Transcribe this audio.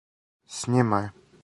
С њима је.